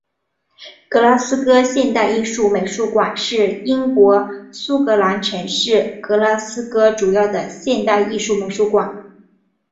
格拉斯哥现代艺术美术馆是英国苏格兰城市格拉斯哥主要的现代艺术美术馆。